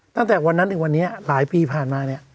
ตั้งแต่วันนั้นถึงวันนี้หลายปีผ่านมาเนี่ย